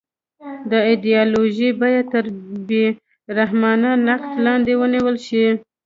دا ایدیالوژي باید تر بې رحمانه نقد لاندې ونیول شي